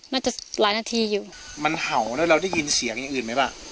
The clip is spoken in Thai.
น่าจะหลายนาทีอยู่มันเห่าแล้วเราได้ยินเสียงอย่างอื่นไหมป่ะ